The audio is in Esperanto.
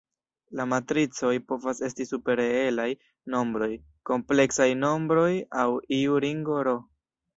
La matricoj povas esti super reelaj nombroj, kompleksaj nombroj aŭ iu ringo "R".